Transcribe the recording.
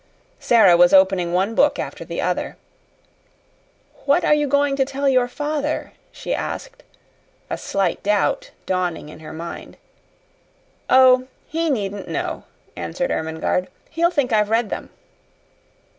Sara was opening one book after the other. "What are you going to tell your father?" she asked, a slight doubt dawning in her mind. "Oh, he needn't know," answered Ermengarde. "He'll think I've read them."